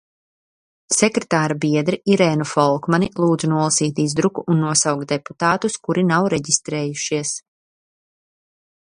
Sekretāra biedri Irēnu Folkmani lūdzu nolasīt izdruku un nosaukt deputātus, kuri nav reģistrējušies.